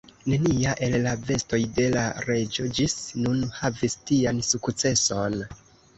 Nenia el la vestoj de la reĝo ĝis nun havis tian sukceson.